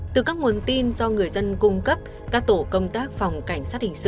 từ các nguồn tin do người dân cung cấp các tổ công tác phòng cảnh sát hình sự